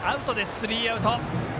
スリーアウト。